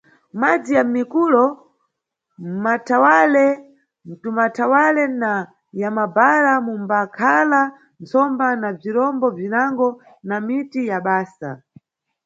Madzi ya mʼmikulo, m, mathawale, mtumthawale na ya mbhara, mumbakhala ntsomba na bzirombo bzinango na miti ya basa.